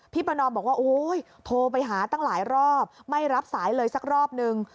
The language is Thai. พี่ประนอมโทรไปหาตั้งหลายรอบไม่รับสายเลยสักรอบนึง